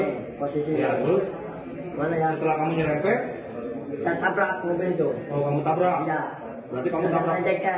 saya berangkat menjawab saya beli semua mobil itu